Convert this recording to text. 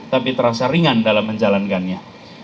tapi terasa ringan dalam menjalankannya